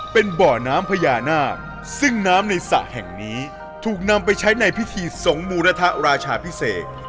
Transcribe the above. เป็นบ่อน้ำพญานาคซึ่งน้ำในสระแห่งนี้ถูกนำไปใช้ในพิธีสงฆ์มูรทะราชาพิเศษ